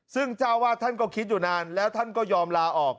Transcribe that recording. ซึ่งเจ้าวาดท่านก็คิดอยู่นานแล้วท่านก็ยอมลาออก